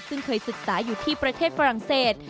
ซึ่งเคยศึกษาอยู่ที่ประเทศฝรั่งเศส